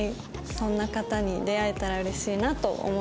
そんな方に出会えたら嬉しいなと思っております。